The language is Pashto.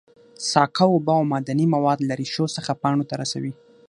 ساقه اوبه او معدني مواد له ریښو څخه پاڼو ته رسوي